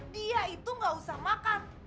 dia itu gak usah makan